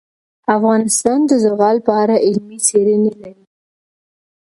افغانستان د زغال په اړه علمي څېړنې لري.